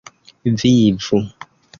vivu